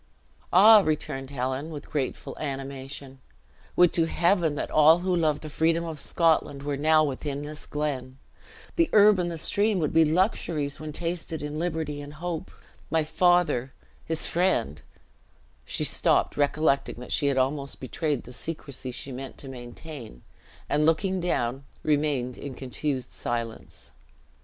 "Ah!" returned Helen, with grateful animation, "would to Heaven that all who love the freedom of Scotland were now within this glen! The herb and the stream would be luxuries when tasted in liberty and hope. My father, his friend " she stopped, recollecting that she had almost betrayed the secrecy she meant to maintain, and looking down, remained in confused silence.